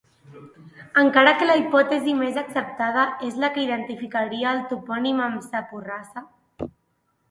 Encara que la hipòtesi més acceptada és la que identificaria el topònim amb sa Porrassa.